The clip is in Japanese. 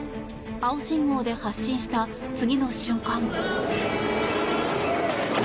青信号で発進した次の瞬間。